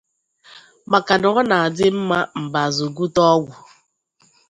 maka na ọ na-adị mma mbazụ gwute ọgwụ